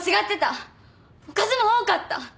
おかずも多かった。